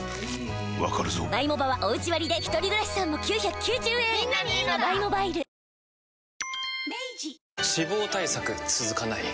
わかるぞ脂肪対策続かない